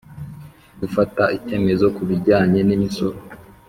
Gufata icyemezo ku bijyanye n imisoro